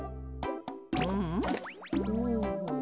うん？